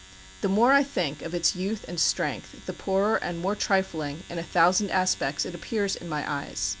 The more I think of its youth and strength, the poorer and more trifling in a thousand aspects it appears in my eyes.